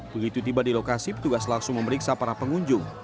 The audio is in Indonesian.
begitu tiba di lokasi petugas langsung memeriksa para pengunjung